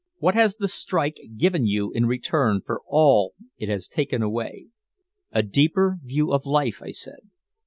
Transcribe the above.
What has the strike given you in return for all it has taken away?" "A deeper view of life," I said.